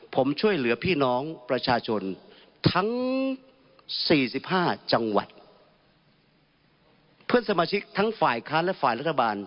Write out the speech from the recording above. เพื่อนสมาชิกทั้งฝ่ายค้านและฝ่ายรัฐบาล